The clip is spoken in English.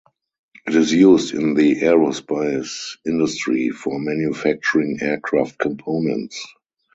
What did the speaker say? It is used in the aerospace industry for manufacturing aircraft components.